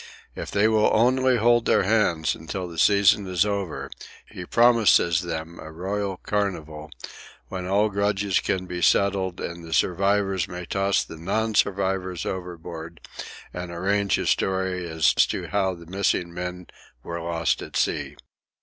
If they will only hold their hands until the season is over, he promises them a royal carnival, when all grudges can be settled and the survivors may toss the non survivors overboard and arrange a story as to how the missing men were lost at sea.